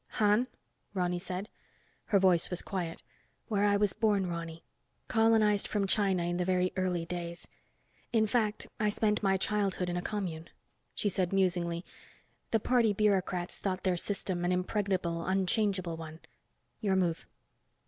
"Han?" Ronny said. Her voice was quiet. "Where I was born, Ronny. Colonized from China in the very early days. In fact, I spent my childhood in a commune." She said musingly, "The party bureaucrats thought their system an impregnable, unchangeable one. Your move."